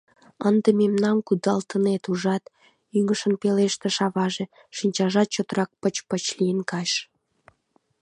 — Ынде мемнам кудалтынет, ужат? — ӱҥышын пелештыш аваже, шинчажат чотрак пыч-пыч лийын кайыш.